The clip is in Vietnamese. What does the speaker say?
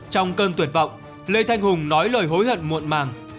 trong cơn tuyệt vọng lê thanh hùng nói lời hối hận muộn màng